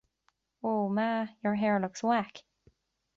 Woah, ma, your hair looks wack.